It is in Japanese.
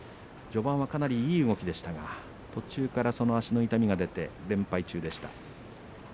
序盤はかなりいい動きでしたが途中から足の痛みが出て連敗中でした。